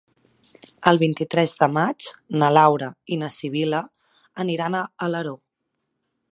El vint-i-tres de maig na Laura i na Sibil·la aniran a Alaró.